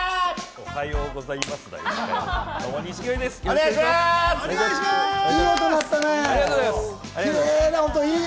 おはようございますだよ！